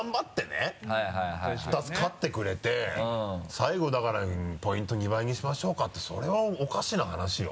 最後だからポイント２倍にしましょうかってそれはおかしな話よ。